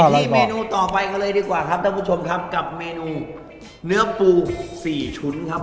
ที่เมนูต่อไปกันเลยดีกว่าครับท่านผู้ชมครับกับเมนูเนื้อปูสี่ชุ้นครับ